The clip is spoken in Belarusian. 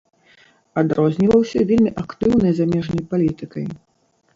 Адрозніваўся вельмі актыўнай замежнай палітыкай.